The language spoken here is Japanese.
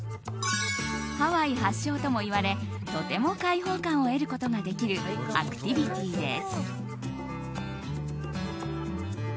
ハワイ発祥ともいわれとても開放感を得ることができるアクティビティーです。